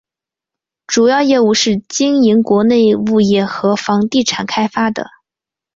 主要业务是经营国内物业和房地产开发的。